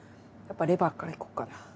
やっぱレバーからいこうかな。